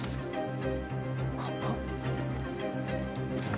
ここ。